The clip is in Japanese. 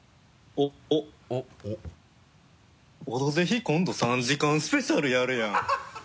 「お」「オドぜひ今度３時間スペシャルやるやん！」